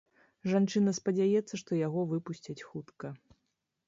Жанчына спадзяецца, што яго выпусцяць хутка.